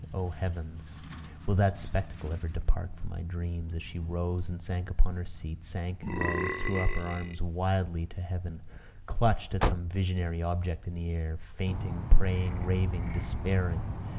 Oh heavens! will that spectacle ever depart from my dreams, as she rose and sank upon her seat, sank and rose, threw up her arms wildly to heaven, clutched at some visionary object in the air, fainting, praying, raving, despairing!